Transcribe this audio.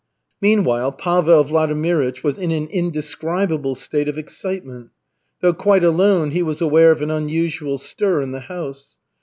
Meanwhile Pavel Vladimirych was in an indescribable state of excitement. Though quite alone, he was aware of an unusual stir in the house.